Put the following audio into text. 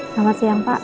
selamat siang pak